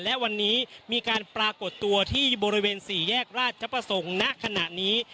และวันนี้มีการปรากฏตัวที่บริเวณ๔แยกราชประสงค์ณขณะนี้